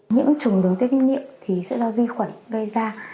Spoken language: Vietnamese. nhiễm trùng đường tiết niệm thì sẽ do vi khuẩn gây ra